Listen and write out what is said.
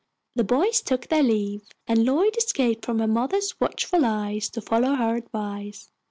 The boys took their leave, and Lloyd escaped from her mother's watchful eyes to follow her advice.